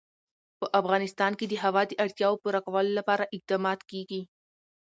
په افغانستان کې د هوا د اړتیاوو پوره کولو لپاره اقدامات کېږي.